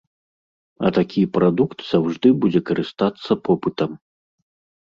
А такі прадукт заўжды будзе карыстацца попытам.